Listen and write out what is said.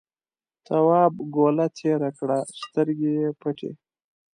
تواب گوله تېره کړه سترګې یې پټې.